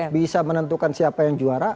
bisa menentukan siapa yang juara